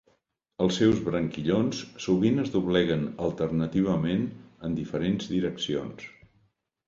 Els seus branquillons sovint es dobleguen alternativament en diferents direccions.